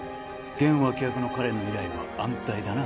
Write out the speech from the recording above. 現脇役の彼の未来は安泰だな